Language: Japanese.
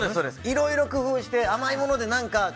いろいろ工夫して甘いもので何か。